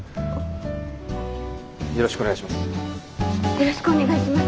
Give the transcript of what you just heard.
よろしくお願いします。